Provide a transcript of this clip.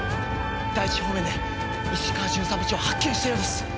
第１方面で石川巡査部長を発見したようです。